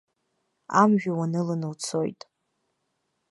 Амҩа уаныланы уцоит.